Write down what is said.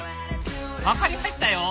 分かりましたよ！